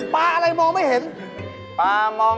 ปลาท่ำโก